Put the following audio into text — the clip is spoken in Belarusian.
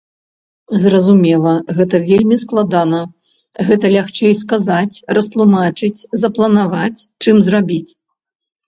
Зразумела, гэта вельмі складана, гэта лягчэй сказаць, растлумачыць, запланаваць, чым зрабіць.